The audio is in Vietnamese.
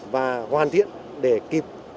và hoàn thiện để kịp